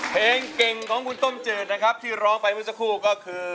เพลงเก่งของคุณต้มจืดนะครับที่ร้องไปเมื่อสักครู่ก็คือ